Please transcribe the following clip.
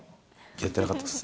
やってなかったです。